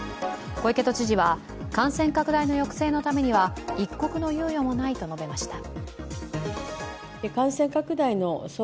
小池都知事は感染拡大の抑制のためには一刻の猶予もないと述べました。